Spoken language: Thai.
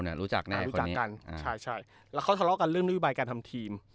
รู้จักแน่รู้จักกันใช่ใช่แล้วเขาทะเลาะกันเรื่องนโยบายการทำทีม